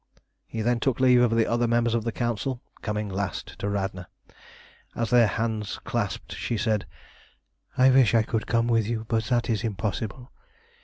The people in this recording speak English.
He then took leave of the other members of the Council, coming last to Radna. As their hands clasped she said "I wish I could come with you, but that is impossible.